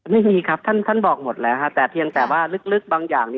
ไม่มีครับท่านบอกหมดแล้วแต่เพียงแต่ว่าลึกบางอย่าง